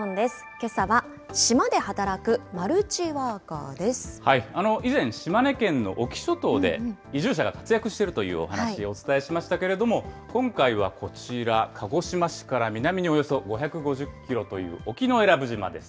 けさは島で働くマルチワーカーで以前、島根県の隠岐諸島で移住者が活躍しているというお話をお伝えしましたけれども、今回はこちら、鹿児島市から南におよそ５５０キロという沖永良部島です。